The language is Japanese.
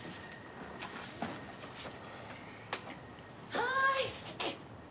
はい？